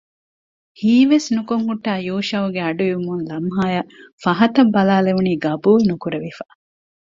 ހީވެސް ނުކޮށް ހުއްޓާ ޔޫޝައުގެ އަޑު އިވުމުން ލަމްހާއަށް ފަހަތަށް ބަލާލެވުނީ ޤަބޫލުނުކުރެވިފަ